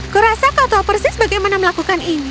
kurasa kau tahu persis bagaimana melakukan ini